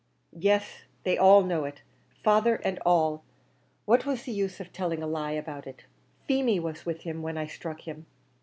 "Yes, they all know it father and all; what was the use of telling a lie about? Feemy was with him when I struck him."